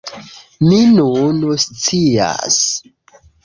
Mi nun scias!